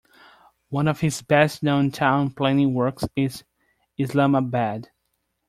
One of his best-known town planning works is Islamabad.